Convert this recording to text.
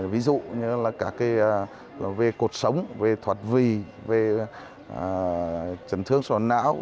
ví dụ như là về cuộc sống về thuật vị về trần thương sổ não